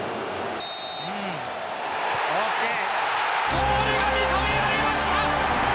ゴールが認められました。